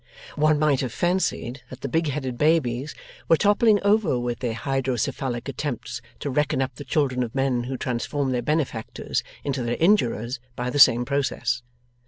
One might have fancied that the big headed babies were toppling over with their hydrocephalic attempts to reckon up the children of men who transform their benefactors into their injurers by the same process.